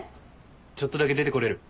ちょっとだけ出てこれる？